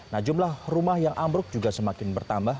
nah jumlah rumah yang ambruk juga semakin bertambah